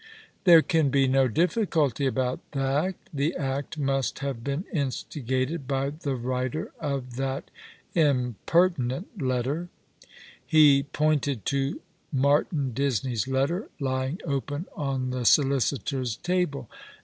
"There can bo no difficulty about that. The act must have been instigated by the writer of that impertinent letter," He pointed to Martin Disney's letter, lying open on the Bolicitor's table.